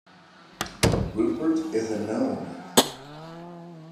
Rupert is a gnome.